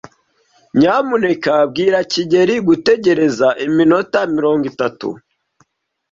Nyamuneka bwira kigeli gutegereza iminota mirongo itatu.